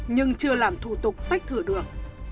nhưng chưa làm thủ tục tách thửa được